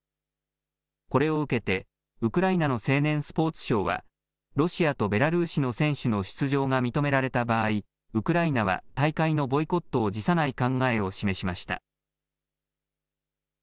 これを受けて、ウクライナの青年スポーツ相は、ロシアとベラルーシの選手の出場が認められた場合、ウクライナは大会のボイコットを辞さない考えを示しました。